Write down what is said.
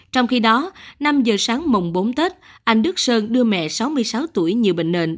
trong khi đó năm giờ sáng mùng bốn tết anh đức sơn đưa mẹ sáu mươi sáu tuổi nhiều bệnh nền